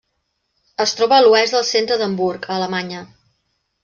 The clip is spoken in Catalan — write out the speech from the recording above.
Es troba a l'oest del centre d'Hamburg a Alemanya.